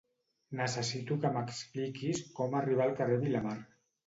Necessito que m'expliquis com arribar al carrer Vilamar.